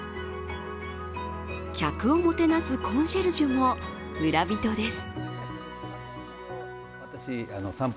客をもてなすコンシェルジュも村人です。